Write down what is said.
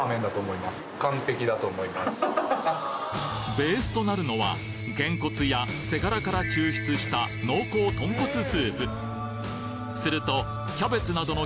ベースとなるのはゲンコツや背ガラから抽出した濃厚豚骨スープするとキャベツなどの